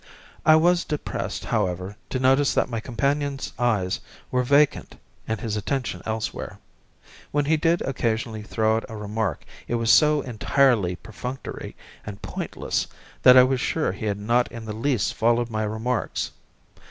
I was depressed, however, to notice that my companion's eyes were vacant and his attention elsewhere. When he did occasionally throw out a remark it was so entirely perfunctory and pointless, that I was sure he had not in the least followed my remarks.